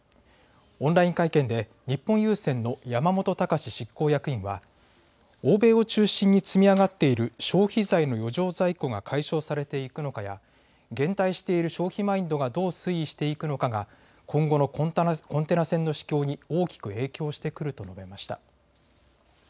オンライン会見で日本郵船の山本敬志執行役員は欧米を中心に積み上がっている消費財の余剰在庫が解消されていくのかや減退している消費マインドがどう推移していくのかが今後のコンテナ船の市況に大きく影響してくると述べました。